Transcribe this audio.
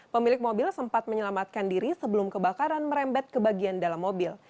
pemilik mobil sempat menyelamatkan diri sebelum kebakaran merembet ke bagian dalam mobil